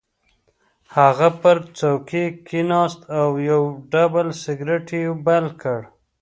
هغه پر څوکۍ کېناست او یو ډبل سګرټ یې بل کړ